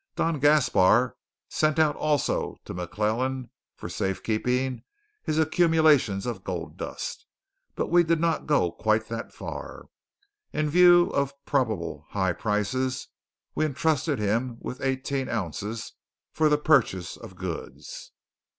Don Gaspar sent out also to McClellan for safekeeping his accumulations of gold dust; but we did not go quite that far. In view of probable high prices we entrusted him with eighteen ounces for the purchase of goods.